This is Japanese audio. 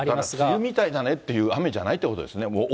梅雨みたいだねっていう雨じゃないということですね。